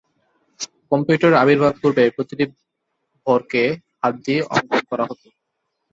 কম্পিউটারের আবির্ভাবের পূর্বে প্রতিটি ভরকে হাত দিয়ে অঙ্কন করতে হতো।